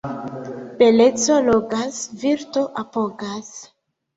Beleco logas, virto apogas.